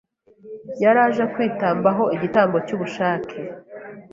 yari aje kwitambaho igitambo cy'ubushake